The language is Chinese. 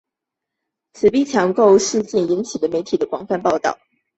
此强逼购物事件引起媒体广泛报道。